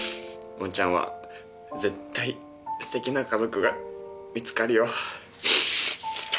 ウォンちゃんは絶対すてきな家族が見つかるよ」。